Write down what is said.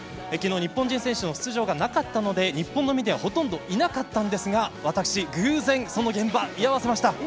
昨日、日本人選手の出場がなかったので日本のメディアはほとんどいなかったんですが私、その現場に居合わせました。